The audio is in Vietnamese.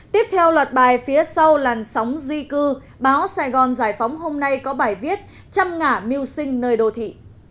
tiếp theo loạt bài phía sau làn sóng di cư báo sài gòn giải phóng hôm nay có bài viết trăm ngã miu sinh nơi đô thị